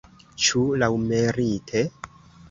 Ĉu laŭmerite?